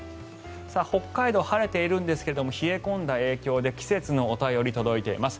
北海道、晴れているんですが冷え込んだ影響で季節のお便り届いています。